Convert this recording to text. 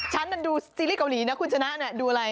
ฉันมันดูซีรีสเกาหลีนะคุณชนะดูอะไร